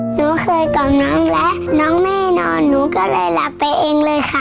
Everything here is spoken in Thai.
หนูเคยกับน้องและน้องแน่นอนหนูก็เลยหลับไปเองเลยค่ะ